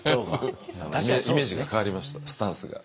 イメージが変わりましたスタンスが。